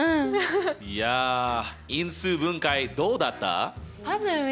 いや因数分解どうだった？